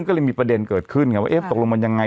ก็เลยมีประเด็นเกิดขึ้นไงว่าเอ๊ะตกลงมันยังไง